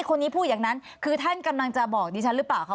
คนนี้พูดอย่างนั้นคือท่านกำลังจะบอกดิฉันหรือเปล่าคะ